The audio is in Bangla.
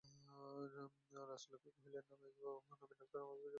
রাজলক্ষ্মী কহিলেন, না মেজোবউ, নবীন-ডাক্তার আমার কিছুই করিতে পারিবে না।